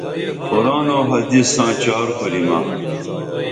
قرآن و حدیث ساں چار کوریمہ